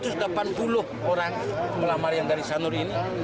yang melamar yang dari sanur ini